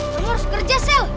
kamu harus kerja sel